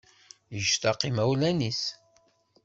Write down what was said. Yectaq imawlan-is.